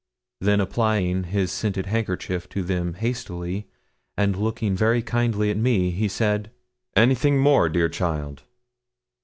Then applying his scented handkerchief to them hastily, and looking very kindly at me, he said 'Anything more, dear child?'